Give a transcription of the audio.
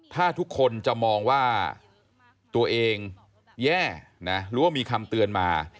ถ้าทุกคนจะมองว่าตัวเองแย่นะหรือว่ามีคำเตือนมา